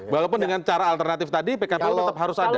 walaupun dengan cara alternatif tadi pkpu tetap harus ada